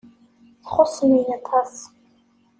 Txuṣṣem-iyi aṭas.